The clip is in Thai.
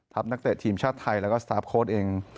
นักเตะทีมชาติไทยแล้วก็สตาร์ฟโค้ดเอง